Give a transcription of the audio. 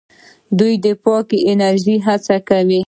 دوی د پاکې انرژۍ هڅه کوي.